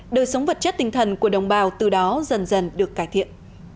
đời sống vật chất tinh thần của đồng bào từ đó dần dần được cải thiện